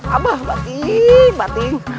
abah batik batik